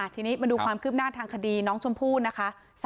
ทีนี้มาดูความคืบหน้าทางคดีน้องชมพู่นะคะ